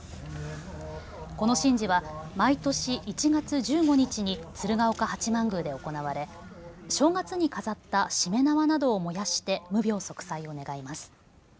この神事は毎年１月１５日に鶴岡八幡宮で行われ正月に飾ったしめ縄などを燃やして無病息災を願います。